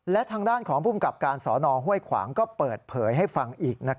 และทางด้านของภูมิกับการสอนอห้วยขวางก็เปิดเผยให้ฟังอีก